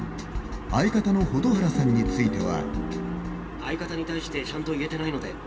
相方の蛍原さんについては。